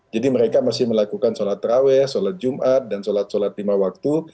jadi mereka masih melakukan sholat terawih sholat jumat dan sholat sholat lima waktu